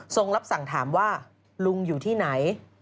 รับสั่งถามว่าลุงอยู่ที่ไหน